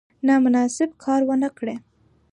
نامناسب کار ونه کړي.